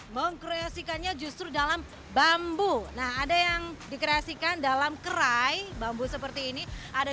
mengkreasikannya justru dalam bambu nah ada yang dikreasikan dalam kerai bambu seperti ini ada